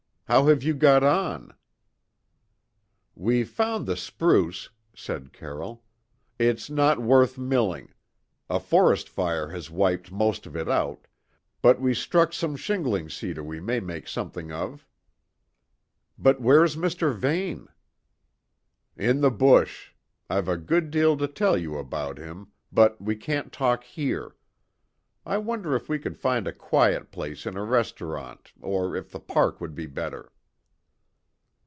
How have you got on?" "We found the spruce," said Carroll. "It's not worth milling a forest fire has wiped most of it out but we struck some shingling cedar we may make something of." "But where's Mr. Vane?" "In the bush; I've a good deal to tell you about him, but we can't talk here. I wonder if we could find a quiet place in a restaurant, or if the park would be better."